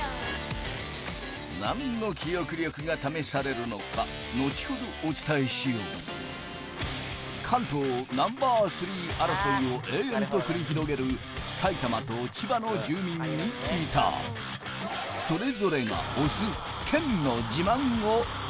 何の記憶力が試されるのか後ほどお伝えしよう関東Ｎｏ．３争いを延々と繰り広げる埼玉と千葉の住民に聞いたそれぞれが推す